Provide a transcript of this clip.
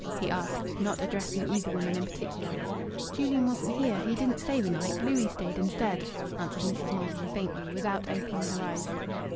he asked, not addressing either woman in particular. "Julian wasn't here. He didn't stay the night. Louis stayed instead," answered Mrs. Maldon, faintly, without opening her eyes.